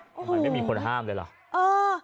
เหมือนไม่มีคนห้ามเลยเหรอ